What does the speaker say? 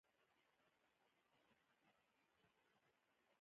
ازادي راډیو د کډوال په اړه د نړیوالو رسنیو راپورونه شریک کړي.